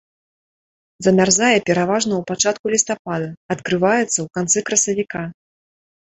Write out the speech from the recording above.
Замярзае пераважна ў пачатку лістапада, адкрываецца ў канцы красавіка.